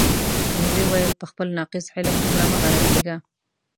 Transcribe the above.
نو ویې ویل: په خپل ناقص علم دومره مه غره کېږه.